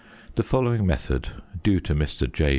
The following method due to Mr. J.